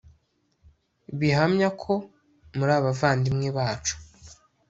bihamya ko muri abavandimwe bacu